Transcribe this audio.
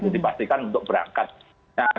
dipastikan untuk berangkat